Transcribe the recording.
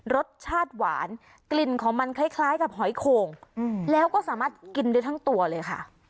รสชาติหวานกลิ่นของมันคล้ายกับหอยโข่งแล้วก็สามารถกินได้ทั้งตัวเลยค่ะ